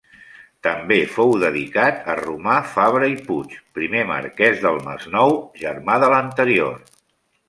També fou dedicat a Romà Fabra i Puig, primer marquès del Masnou, germà de l'anterior.